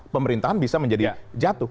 pemerintahan bisa menjadi jatuh